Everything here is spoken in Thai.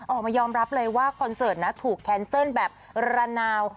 ออกมายอมรับเลยว่าคอนเสิร์ตนะถูกแคนเซิลแบบระนาว